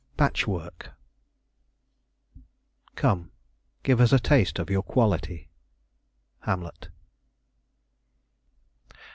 PATCH WORK "Come, give us a taste of your quality." Hamlet.